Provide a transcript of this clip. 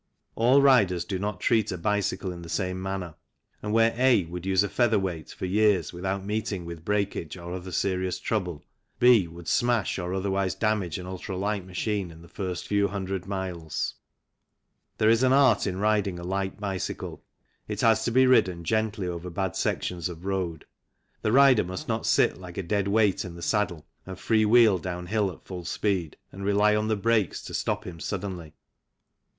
All riders do not treat a bicycle in the same manner, and wlrere A would use a feather weight for years without meeting with breakage or other serious trouble, B would smash or otherwise damage an ultra light machine in the first few hundred miles. 81 82 THE CYCLE INDUSTRY There is an art in riding a light bicycle, it has to be ridden gently over bad sections of road. The rider must not sit like a dead weight in the saddle and free wheel down hill at full speed and rely on the brakes to stop him suddenly.